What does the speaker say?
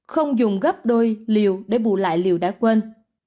không dùng gấp đôi liều để bù lại liều đã quên